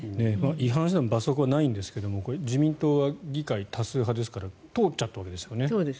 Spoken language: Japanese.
違反しても罰則はないですが自民党は議会多数派ですからやっていたら通っちゃいましたからね。